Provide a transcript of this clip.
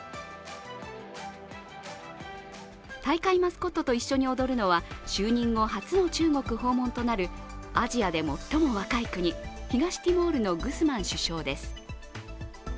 大会マスコットと一緒に踊るのは就任後初の中国訪問となるアジアで最も若い国、東ティモールのグスマン首相です。